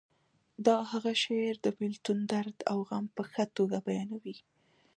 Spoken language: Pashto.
د هغه شعر د بیلتون درد او غم په ښه توګه بیانوي